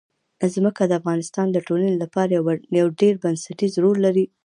ځمکه د افغانستان د ټولنې لپاره یو ډېر بنسټيز رول لري.